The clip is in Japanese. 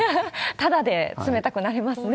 ただで冷たくなれますね。